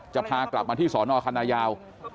จะพากลับมาที่สอนอคณะยาว